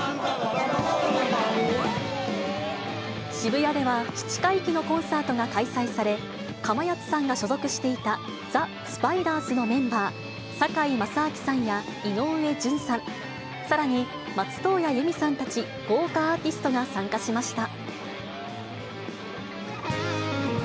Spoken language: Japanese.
渋谷では、七回忌のコンサートが開催され、かまやつさんが所属していたザ・スパイダースのメンバー、堺正章さんや井上順さん、さらに、松任谷由実さんたち、豪華アーティストが参加しました。